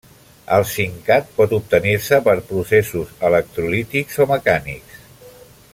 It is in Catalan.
El zincat pot obtenir-se per processos electrolítics o mecànics.